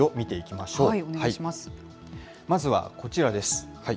まずは、こちらです。